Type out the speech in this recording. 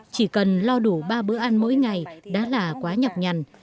chỉ cần lo đủ ba bữa ăn mỗi ngày đã là quá nhọc nhằn